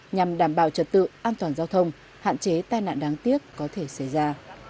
nhằm đảm bảo trật tự an toàn giao thông hạn chế tai nạn đáng tiếc có thể xảy ra